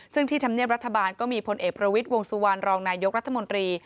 ซึ่งที่ธรรมเนียบรัฐบาลก็มีพลเอกประวิทย์วงสุวรรณรองนายกรัฐมนตรี